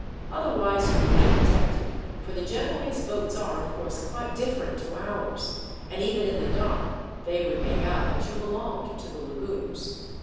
Otherwise you would be detected, for the Genoese boats are, of course, quite different to ours, and even in the dark they would make out that you belonged to the lagoons.